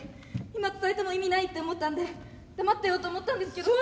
今伝えても意味ないって思ったんで黙ってようと思ったんですけど。